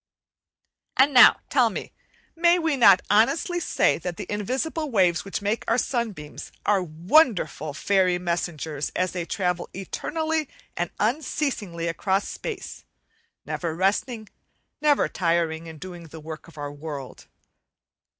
And now, tell me, may we not honestly say, that the invisible waves which make our sunbeams, are wonderful fairy messengers as they travel eternally and unceasingly across space, never resting, never tiring in doing the work of our world?